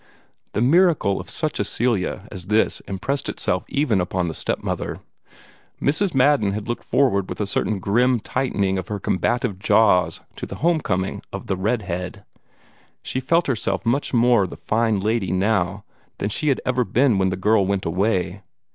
The miracle of such a Celia as this impressed itself even upon the step mother. Mrs. Madden had looked forward with a certain grim tightening of her combative jaws to the home coming of the "red head." She felt herself much more the fine lady now than she had been when the girl went away.